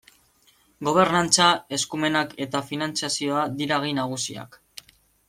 Gobernantza, eskumenak eta finantzazioa dira gai nagusiak.